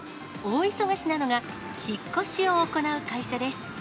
大忙しなのが引っ越しを行う会社です。